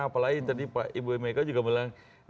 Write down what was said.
apalagi tadi pak ibu mega juga bilang